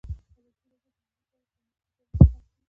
ازادي راډیو د امنیت په اړه ښوونیز پروګرامونه خپاره کړي.